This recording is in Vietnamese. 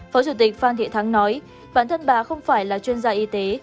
phó chủ tịch phan thị thắng nói bản thân bà không phải là chuyên gia y tế